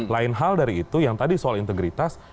lain hal dari itu yang tadi soal integritas